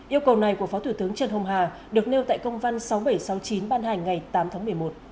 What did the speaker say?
yêu cầu này của phó thủ tướng trần hồng hà được nêu tại công văn sáu nghìn bảy trăm sáu mươi chín ban hành ngày tám tháng một mươi một